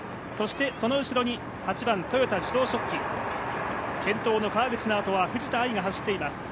その後ろに８番・豊田自動織機、川口のあとは藤田あいが走っています。